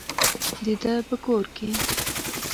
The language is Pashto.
د ده په کور کې وو.